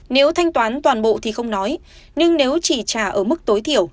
nếu thanh toán toàn bộ thì không nói nhưng nếu chỉ trả ở mức tối thiểu